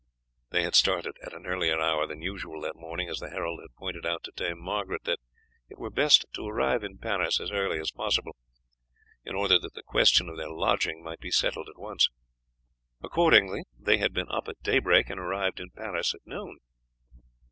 They had started at an earlier hour than usual that morning, as the herald had pointed out to Dame Margaret, that it were best to arrive in Paris as early as possible, in order that the question of their lodging might be settled at once. Accordingly, they had been up at daybreak, and arrived in Paris at noon.